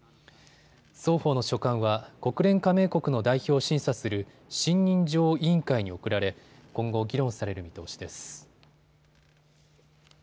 双方の書簡は国連加盟国の代表を審査する信任状委員会に送られ今後、議論される見通しです。